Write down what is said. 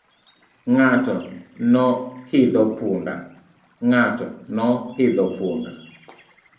Ng'ato no hidho punda.